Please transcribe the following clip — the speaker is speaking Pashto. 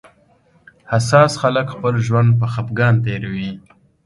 حساس خلک خپل ژوند په خپګان تېروي